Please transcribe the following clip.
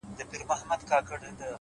اې په خوب ویده ماشومه!؟,